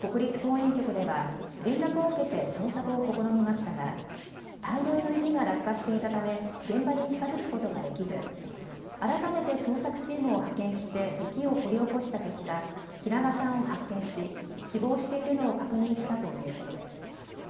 国立公園局では連絡を受けて捜索を試みましたが大量の雪が落下していたため現場に近づくことができず改めて捜索チームを派遣して雪を掘り起こした結果ヒラガさんを発見し死亡しているのを確認したということです。